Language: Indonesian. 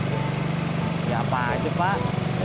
ya apa aja pak